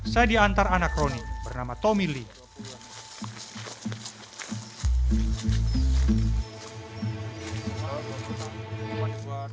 saya diantar anak roni bernama tommy lee